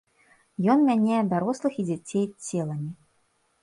Ён мяняе дарослых і дзяцей целамі.